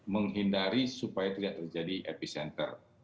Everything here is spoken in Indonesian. menghindari supaya tidak terjadi epicenter